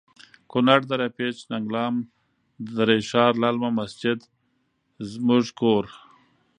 کنړ.دره پیج.ننګلام.دری ښار.للمه.مسجد زموړږ کور